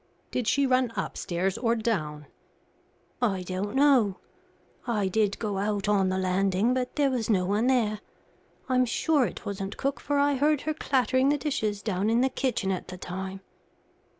"Did she run upstairs or down?" "I don't know. I did go out on the landing, but there was no one there. I'm sure it wasn't cook, for I heard her clattering the dishes down in the kitchen at the time."